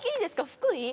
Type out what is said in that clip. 福井？